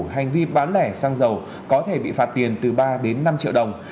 hành vi bán lẻ xăng dầu có thể bị phạt tiền từ ba đến năm triệu đồng